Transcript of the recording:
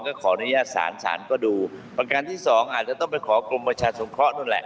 ก็ขออนุญาตสารสารก็ดูประการที่สองอาจจะต้องไปขอกรมประชาสงเคราะห์นั่นแหละ